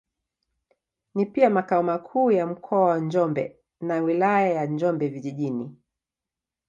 Ni pia makao makuu ya Mkoa wa Njombe na Wilaya ya Njombe Vijijini.